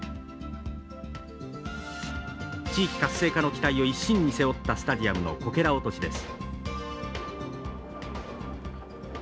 地域活性化の期待を一身に背負ったスタジアムのこけら落としです。